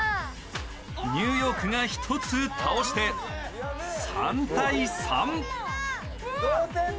ニューヨークが１つ倒して３対３。